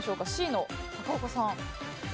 Ｃの高岡さん。